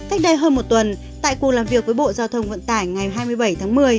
cách đây hơn một tuần tại cuộc làm việc với bộ giao thông vận tải ngày hai mươi bảy tháng một mươi